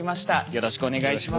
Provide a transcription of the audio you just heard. よろしくお願いします。